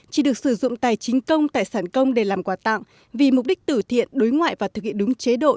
chỉ được sử dụng tài chính công tài sản công để làm quà tặng vì mục đích tử thiện đối ngoại và thực hiện đúng chế độ